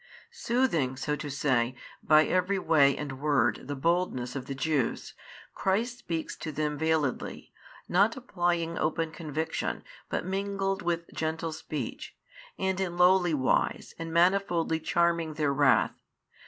Soothing, so to say, by every way and word the boldness of the Jews, Christ speaks to them veiledly, not applying open conviction but mingled with gentle speech, and in lowly wise and manifoldly charming their wrath.